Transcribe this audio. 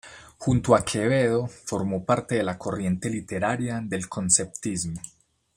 Junto a Quevedo formó parte de la corriente literaria del conceptismo.